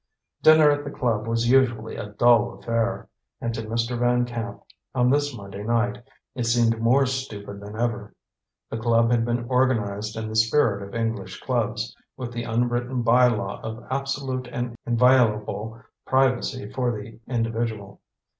Dinner at the club was usually a dull affair, and to Mr. Van Camp, on this Monday night, it seemed more stupid than ever. The club had been organized in the spirit of English clubs, with the unwritten by law of absolute and inviolable privacy for the individual.